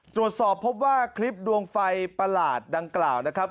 ตรวจสอบพบว่าคลิปดวงไฟประหลาดดังกล่าวนะครับ